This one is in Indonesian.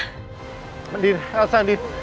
indin elsa indin